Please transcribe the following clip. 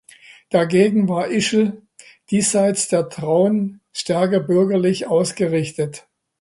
Dagegen war Ischl diesseits der Traun stärker bürgerlich ausgerichtet.